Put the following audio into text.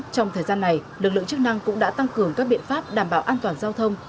trong thời gian này lực lượng chức năng cũng đã tăng cường các biện pháp đảm bảo an toàn giao thông